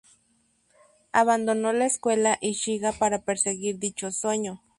Abandonó la escuela y Shiga para perseguir dicho sueño.